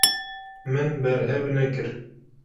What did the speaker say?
Min berhev nekir.